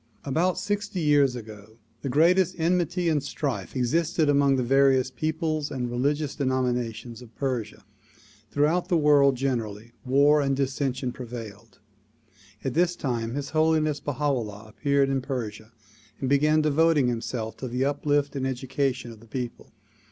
About sixty years ago the greatest enmity and strife existed among the various peoples and religious denominations of Persia. Throughout the world generally, war and dissension prevailed. At this time His Holiness Baiia 'Ullah appeared in Persia and began devoting himself to the uplift and education of the people.